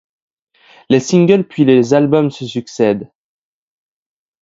Les singles puis les albums se succèdent.